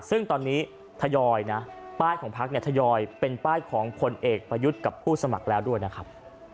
ซึ่งตอนนี้ทยอยนะป้ายของพักเนี่ยทยอยเป็นป้ายของผลเอกประยุทธ์กับผู้สมัครแล้วด้วยนะครับ